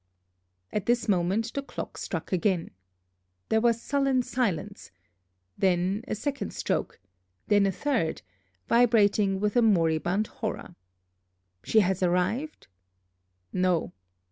At this moment the clock struck again. There was sullen silence then a second stroke then a third, vibrating with a moribund horror. "She has arrived?" "No."